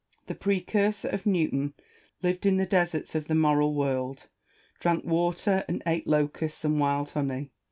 The precursor of Newton lived in the deserts of the moral world, drank water, and ate locusts and wild honey.